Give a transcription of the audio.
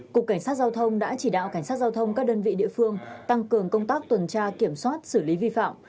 cục cảnh sát giao thông đã chỉ đạo cảnh sát giao thông các đơn vị địa phương tăng cường công tác tuần tra kiểm soát xử lý vi phạm